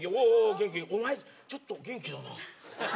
元気お前ちょっと元気だな。